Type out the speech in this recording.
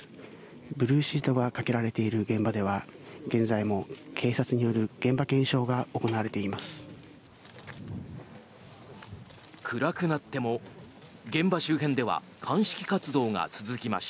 ブルーシートがかけられている現場では現在も警察による現場検証が行われています。